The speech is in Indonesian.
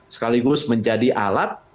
sekaligus menjadi alat untuk